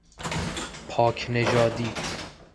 پاک نژادی